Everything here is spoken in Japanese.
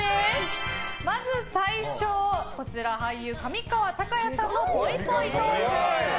まず最初、俳優・上川隆也さんのぽいぽいトーク。